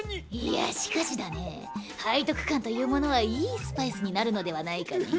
いやしかしだねぇ背徳感というものはいいスパイスになるのではないかね。